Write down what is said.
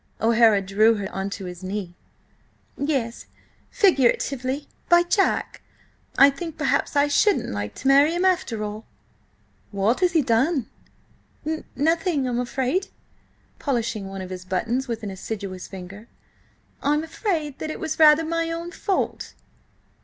O'Hara drew her on to his knee. "Yes–figuratively–by Jack. I think, perhaps, I shouldn't like to marry him after all!" "What has he done?" "N nothing. I'm afraid," polishing one of his buttons with an assiduous finger, "I'm afraid that it was rather my own fault!"